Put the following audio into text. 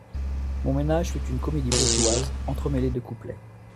Mon ménage fut une comédie bourgeoise entremêlée de couplets.